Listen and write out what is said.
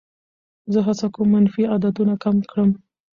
زه هڅه کوم منفي عادتونه کم کړم.